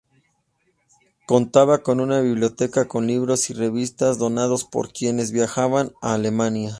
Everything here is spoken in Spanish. Contaba con una biblioteca, con libros y revistas donados por quienes viajaban a Alemania.